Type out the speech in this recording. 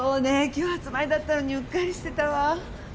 今日集まりだったのにうっかりしてたわ。